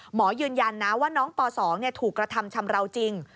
หมอยืนยันนะว่าน้องต่อสองเนี่ยถูกกระทำชำราวจริง